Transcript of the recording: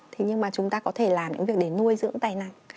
thế nhưng mà chúng ta có thể làm những việc để nuôi dưỡng tài năng